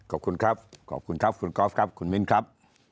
ขอบคุณครับขอบคุณครับคุณกอล์ฟครับคุณมิ้นครับ